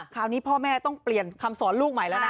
คราวนี้พ่อแม่ต้องเปลี่ยนคำสอนลูกใหม่แล้วนะ